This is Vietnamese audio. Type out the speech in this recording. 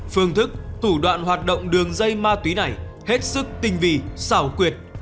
phương thức thủ đoạn hoạt động đường dây ma túy này hết sức tinh vi xảo quyệt